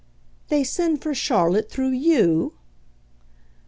"They send for Charlotte through YOU?"